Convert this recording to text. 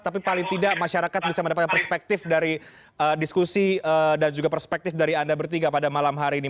tapi paling tidak masyarakat bisa mendapatkan perspektif dari diskusi dan juga perspektif dari anda bertiga pada malam hari ini